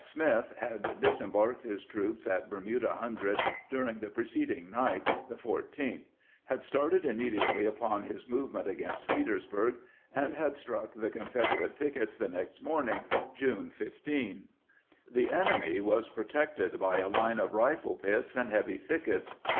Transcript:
Smith had disembarked his troops at Bermuda Hundred during the preceding night (the 14th), had started immediately upon his movement against Petersburg, and had struck the Confederate pickets the next morning, June 15. The enemy was protected by a line of rifle pits and heavy thickets.